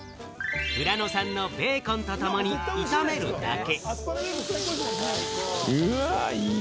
富良野産のベーコンとともに炒めるだけ。